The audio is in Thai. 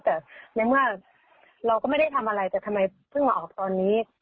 แต่ในเมื่อเราก็ไม่ได้ทำอะไรแต่ทำไมเพิ่งมาออกตอนนี้